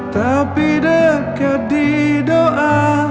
tapi dekat di doa